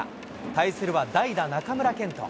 対するは代打、中村健人。